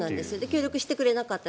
協力してくれなかった。